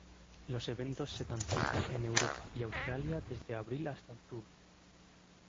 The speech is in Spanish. Los eventos se dan cita en Europa y Australia desde abril hasta octubre.